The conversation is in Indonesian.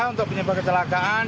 untuk penyebab kecelakaan